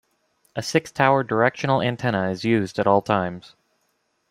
A six-tower directional antenna is used at all times.